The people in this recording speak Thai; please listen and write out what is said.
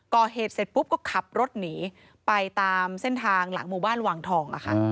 ก่อเหตุเสร็จปุ๊บก็ขับรถหนีไปตามเส้นทางหลังหมู่บ้านวังทอง